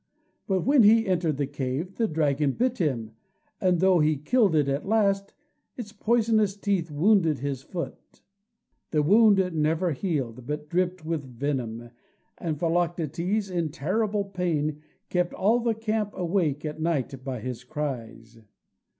But when he entered the cave the dragon bit him, and, though he killed it at last, its poisonous teeth wounded his foot. The wound never healed, but dripped with venom, and Philoctetes, in terrible pain, kept all the camp awake at night by his cries.